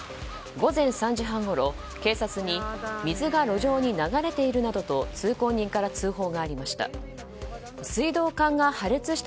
午前３時半ごろ、警察に水が路上に流れているなどと通行人から通報がありました。